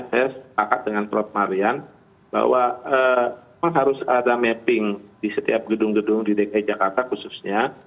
saya sepakat dengan prof marian bahwa memang harus ada mapping di setiap gedung gedung di dki jakarta khususnya